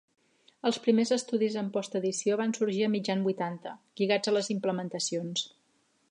Els primers estudis en post edició van sorgir a mitjan vuitanta, lligats a les implementacions.